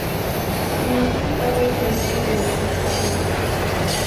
Inició su carrera en el mundo del espectáculo.